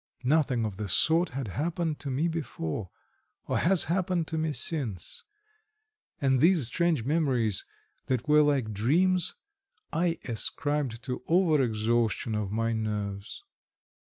Nothing of the sort had happened to me before, or has happened to me since, and these strange memories that were like dreams, I ascribed to overexhaustion of my nerves.